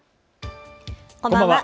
こんばんは。